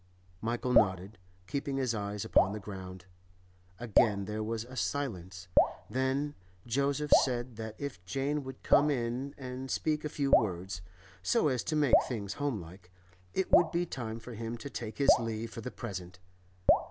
Michael nodded, keeping his eyes upon the ground. Again there was a silence, then Joseph said that if Jane would come in and speak a few words—so as to make things home like—it would be time for him to take his leave for the present.